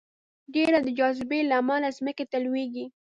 ډبره د جاذبې له امله ځمکې ته لویږي.